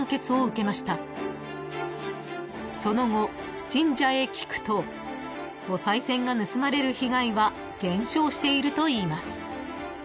［その後神社へ聞くとおさい銭が盗まれる被害は減少しているといいます］